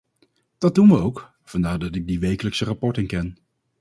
Dat doen we ook, vandaar dat ik die wekelijkse rapporten ken.